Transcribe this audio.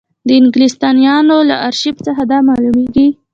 د انګلیسیانو له ارشیف څخه دا معلومېږي.